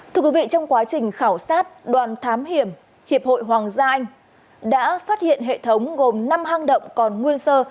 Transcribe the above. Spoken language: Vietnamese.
thưa quý vị trong quá trình khảo sát đoàn thám hiểm hiệp hội hoàng gia anh đã phát hiện hệ thống gồm năm hang động còn nguyên sơ